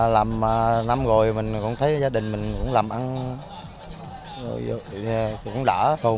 làm năm rồi mình cũng thấy gia đình mình cũng làm ăn cũng đỏ